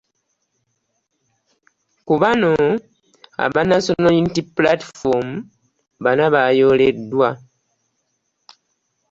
Ku bano, abanNational Unity Platform bana bayooleddwa.